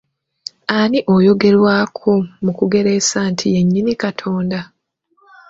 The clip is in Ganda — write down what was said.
Ani oyogerwako mu kugereesa nti ye nnyini Katonda?